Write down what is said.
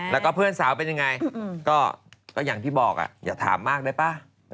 แล้วก็เพื่อนสาวเป็นยังไงก็อย่างที่บอกอย่าถามมากได้ป่ะ